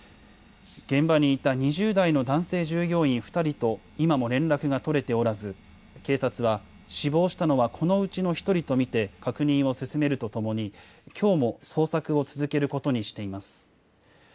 現場にいた２０代の男性従業員２人と今も連絡が取れておらず、警察は、死亡したのはこのうちの１人と見て確認を進めるとともに、きょうも捜索を続けることにしています。